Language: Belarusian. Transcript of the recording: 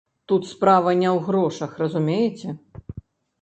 Тут справа не ў грошах, разумееце?